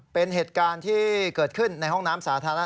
เป็นเหตุการณ์ที่เกิดขึ้นในห้องน้ำสาธารณะ